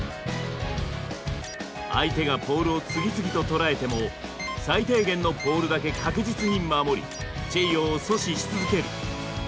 相手がポールを次々ととらえても最低限のポールだけ確実に守りチェイヨーを阻止し続ける。